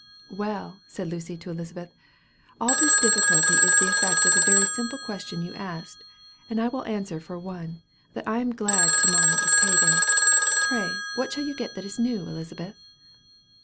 "Well," said Lucy to Elizabeth, "all this difficulty is the effect of the very simple question you asked; and I will answer for one, that I am glad to morrow is pay day. Pray what shall you get that is new, Elizabeth?"